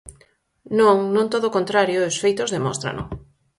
Non, non todo o contrario, e os feitos demóstrano.